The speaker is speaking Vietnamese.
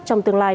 trong tương lai